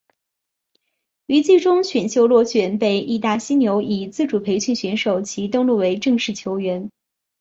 于季中选秀落选被被义大犀牛以自主培训选手其登录为正式球员。